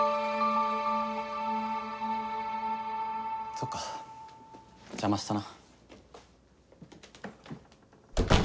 そっか邪魔したな。